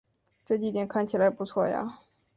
这地点看起来不错啊